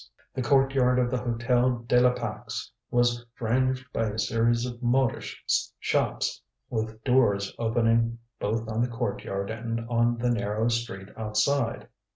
The courtyard of the Hotel de la Pax was fringed by a series of modish shops, with doors opening both on the courtyard and on the narrow street outside.